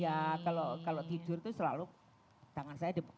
ya kalau tidur itu selalu tangan saya debu